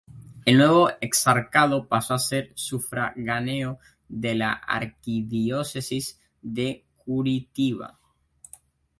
El nuevo exarcado pasó a ser sufragáneo de la arquidiócesis de Curitiba.